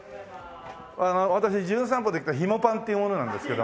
あの私『じゅん散歩』で来たひもパンっていう者なんですけど。